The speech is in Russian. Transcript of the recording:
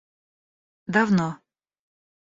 давно